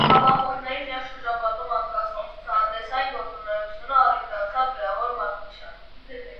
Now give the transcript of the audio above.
Համախոհների նեղ շրջապատում անցկացվող ցուցահանդեսային գործունեությունը, առիթ դարձան գրավոր մատնության։